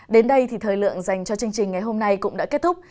đến đây thì thời lượng dành cho chương trình ngày hôm nay cũng đã kết thúc